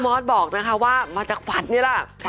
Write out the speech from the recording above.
คุณมอสบอกว่ามาจากฝันนี่แหละ